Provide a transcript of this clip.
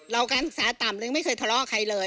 การศึกษาต่ำเลยไม่เคยทะเลาะกับใครเลย